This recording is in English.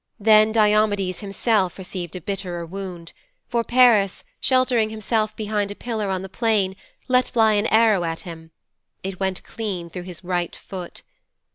'Then Diomedes himself received a bitterer wound, for Paris, sheltering himself behind a pillar on the plain, let fly an arrow at him. It went clean through his right foot.